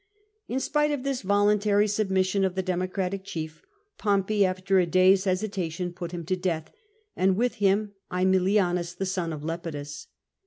In spite of this voluntary submission of the Democratic chief, Pompey, after a day's hesitation, put him to death, and with him .®milianus, the son of Lepidus.